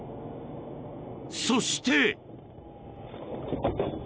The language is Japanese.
［そして］